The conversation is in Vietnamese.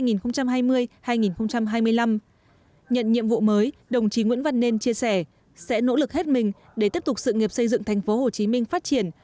nhận nhiệm vụ mới đồng chí nguyễn văn nên chia sẻ sẽ nỗ lực hết mình để tiếp tục sự nghiệp xây dựng tp hcm phát triển